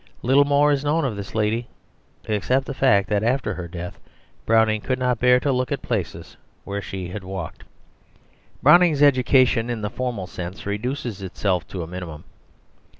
Little more is known of this lady except the fact that after her death Browning could not bear to look at places where she had walked. Browning's education in the formal sense reduces itself to a minimum.